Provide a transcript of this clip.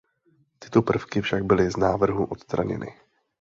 Tyto prvky však byly z návrhu odstraněny.